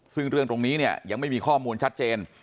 ซึ่งเรื่องตรงนี้เนี่ยยังไม่มีข้อมูลชัดเจน